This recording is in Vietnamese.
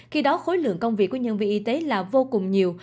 khi đó khối lượng công việc của nhân viên y tế là vô cùng nhiều